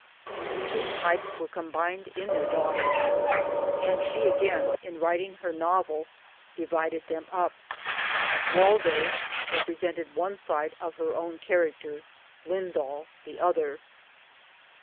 The two types were combined in their daughter ; and she again in writing; her novel divided them up. ' Waldo ' represented one side of her own character, * Lyndall ' the other.